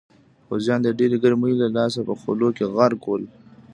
پوځیان د ډېرې ګرمۍ له لاسه په خولو کې غرق ول.